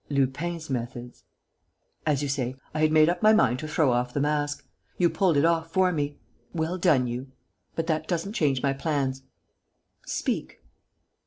"Lupin's methods." "As you say. I had made up my mind to throw off the mask. You pulled it off for me. Well done you! But that doesn't change my plans." "Speak."